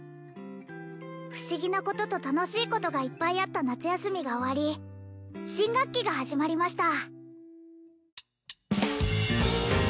不思議なことと楽しいことがいっぱいあった夏休みが終わり新学期が始まりました